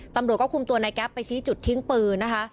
ตำรวจก็คุมตัวนายแก๊ปไปชี้จุดทิ้งปืนนะคะ